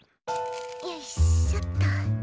よいしょっと。